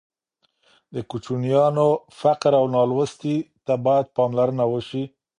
د کوچیانو فقر او نالوستي ته باید پاملرنه وشي.